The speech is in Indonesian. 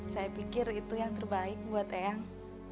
saya pikir itu yang terbaik buat eyang